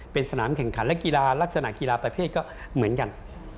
เป็นสนามแข่งขันและกีฬาลักษณะกีฬาประเภทก็เหมือนกัน